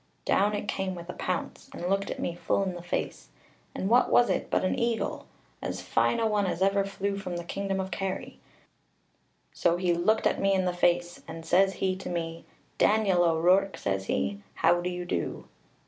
Down it came with a pounce, and looked at me full in the face; and what was it but an eagle? as fine a one as ever flew from the kingdom of Kerry. So he looked at me in the face, and says he to me, 'Daniel O'Rourke,' says he, 'how do you do?'